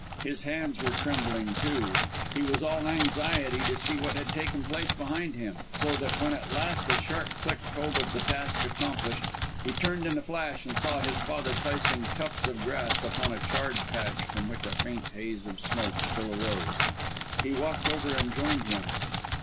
His hands were trembling too; he was all anxiety to see what had taken place behind him. So that when at last a sharp click told of the task accomplished, he turned in a flash and saw his father placing tufts of grass upon a charred patch from which a faint haze of smoke still arose. He walked over and joined him.